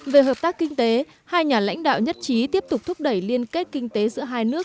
về hợp tác kinh tế hai nhà lãnh đạo nhất trí tiếp tục thúc đẩy liên kết kinh tế giữa hai nước